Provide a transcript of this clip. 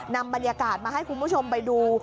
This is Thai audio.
นำบรรยากาศมาให้คุณผู้ชมไปดู